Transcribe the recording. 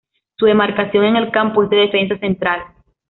Su demarcación en el campo es de defensa central.